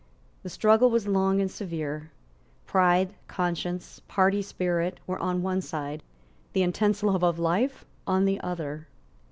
The struggle was long and severe. Pride, conscience, party spirit, were on one side; the intense love of life on the other.